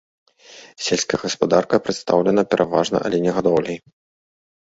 Сельская гаспадарка прадстаўлена пераважна аленегадоўляй.